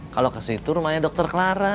kalo kesitu rumahnya dokter clara